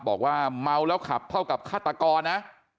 บอกว่าเมาแล้วขับเท่ากับฆาตกรนะ